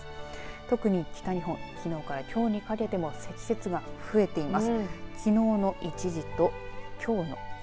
特に北日本、きのうからきょうにかけての積雪が増えています。